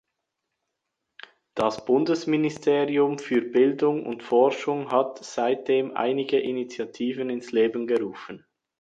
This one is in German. Das Bundesministerium für Bildung und Forschung hat seitdem einige Initiativen ins Leben gerufen.